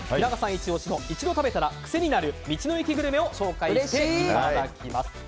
イチ押しの一度食べたら癖になる道の駅グルメを紹介していただきます。